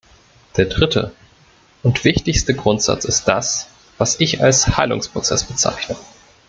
Der dritte und wichtigste Grundsatz ist das, was ich als Heilungsprozess bezeichne.